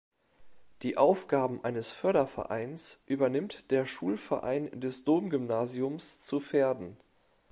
Die Aufgaben eines Fördervereins übernimmt der "Schulverein des Domgymnasiums zu Verden".